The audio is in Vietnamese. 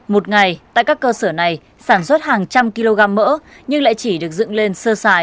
một ngày tại các cơ sở này sản xuất hàng trăm kg mỡ nhưng lại chỉ được dựng lên sơ xài tạm bỡ như vậy